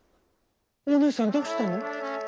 「おねえさんどうしたの？